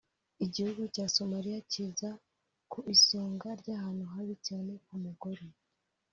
Igihugu cya Somalia kiza ku isonga ry’ahantu habi cyane ku mugore